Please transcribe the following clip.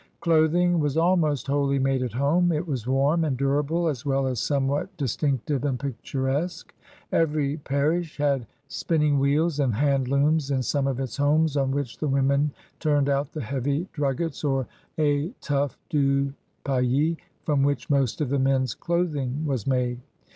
Clothing was almost wholly made at home. It was warm and durable, as well as somewhat dis tinctive and picturesque. Every parish had spin ning wheels and handlooms in some of its homes on which the women turned out the heavy druggets or itoffes du pays from which most of the men's clothing was made.